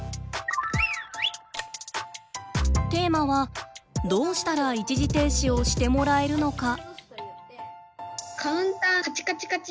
テーマはどうしたら一時停止をしてもらえるのか。